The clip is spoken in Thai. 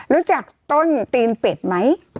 รู้จักต้นตีนเป็ดไหม